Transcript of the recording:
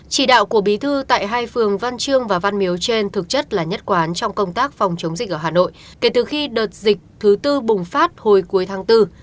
chỉ đạo của bí thư tại hai phường văn chương và văn miếu trên thực chất là nhất quán trong công tác phòng chống dịch ở hà nội kể từ khi đợt dịch thứ tư bùng phát hồi cuối tháng bốn